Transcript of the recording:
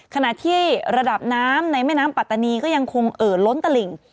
ขณะที่ระดับน้ำในแม่น้ำปัตตานีก็ยังคงเอ่อล้นตลิ่ง